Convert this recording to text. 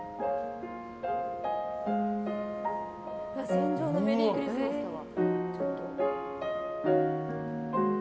「戦場のメリークリスマス」だわ。